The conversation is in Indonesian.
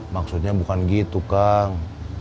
maksudnya bukan gitu kang